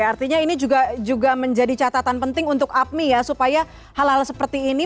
artinya ini juga menjadi catatan penting untuk apmi ya supaya hal hal seperti ini